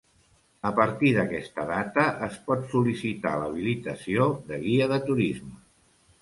A partir d'aquesta data, es pot sol·licitar l'habilitació de guia de turisme.